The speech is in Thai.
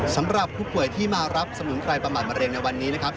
สำหรับผู้ป่วยที่มารับสมุนไพรประมาทมะเร็งในวันนี้นะครับ